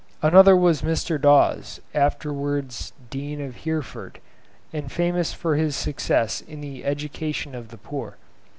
Another was Mr. Dawes, afterwards Dean of Hereford, and famous for his success in the education of the poor.